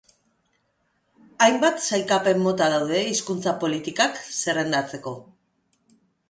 Hainbat sailkapen-mota daude hizkuntza-politikak zerrendatzeko.